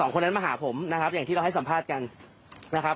คนนั้นมาหาผมนะครับอย่างที่เราให้สัมภาษณ์กันนะครับ